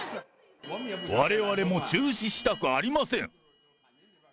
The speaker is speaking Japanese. われわれも中止したくありません。